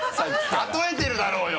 例えてるだろうよ！